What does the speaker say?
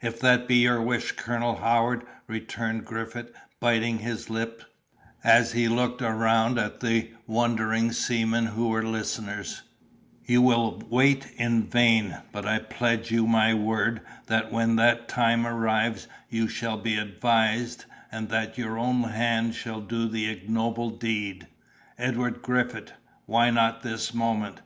"If that be your wish, Colonel Howard," returned Griffith, biting his lip, as he looked around at the wondering seamen who were listeners, "you will wait in vain; but I pledge you my word, that when that time arrives, you shall be advised, and that your own hand shall do the ignoble deed." "Edward Griffith, why not this moment?